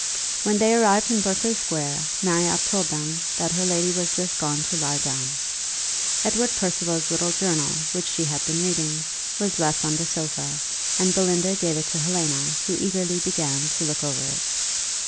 When they arrived in Berkley square, Marriott told them that her lady was just gone to lie down. Edward Percival's little journal, which she had been reading, was left on the sofa, and Belinda gave it to Helena, who eagerly began to look over it.